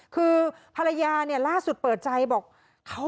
คือภรรยาล่าสุดเปิดใจบอก